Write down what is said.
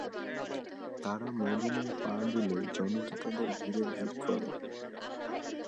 তারা মদীনায় পা দিলে জনতা তাদের ঘিরে ভীড় করে।